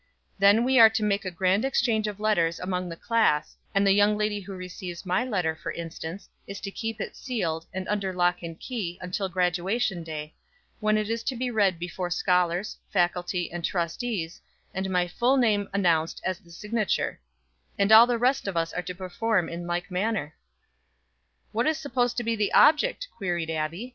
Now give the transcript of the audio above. Then we are to make a grand exchange of letters among the class, and the young lady who receives my letter, for instance, is to keep it sealed, and under lock and key, until graduation day, when it is to be read before scholars, faculty, and trustees, and my full name announced as the signature; and all the rest of us are to perform in like manner." "What is supposed to be the object?" queried Abbie.